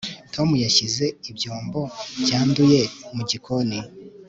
tom yashyize ibyombo byanduye mu gikoni